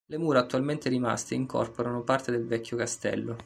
Le mura attualmente rimaste incorporano parte del vecchio castello.